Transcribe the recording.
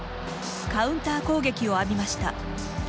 カウンター攻撃を浴びました。